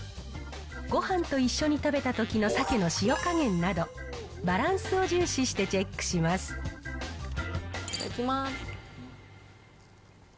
ごはんと一緒に食べたときのサケの塩加減など、バランスを重視しいただきます。